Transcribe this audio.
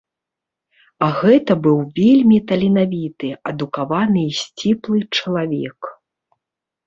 А гэта быў вельмі таленавіты, адукаваны і сціплы чалавек.